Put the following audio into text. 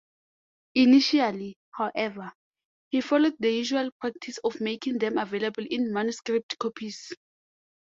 Initially, however, he followed the usual practice of making them available in manuscript copies.